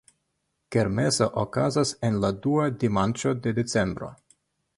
Kermeso okazas en la dua dimanĉo de decembro.